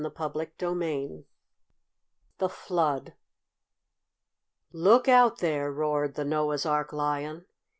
CHAPTER VII THE FLOOD "Look out there!" roared the Noah's Ark Lion.